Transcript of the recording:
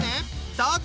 どうぞ！